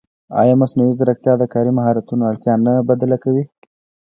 ایا مصنوعي ځیرکتیا د کاري مهارتونو اړتیا نه بدله کوي؟